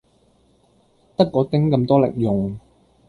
得果丁咁多零用